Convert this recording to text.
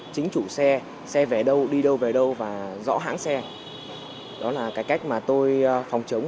chính chủ xe xe về đâu đi đâu về đâu và rõ hãng xe đó là cái cách mà tôi phòng chống